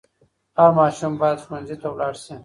هر ماشوم باید ښوونځي ته ولاړ سي.